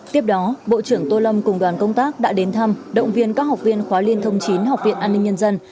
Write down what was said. tiếp đó bộ trưởng tô lâm cùng đoàn công tác đã đến thăm động viên các học viên khóa liên thông chín học viện an ninh nhân dân